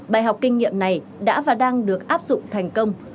bài học kinh nghiệm này đã và đang được áp dụng thành công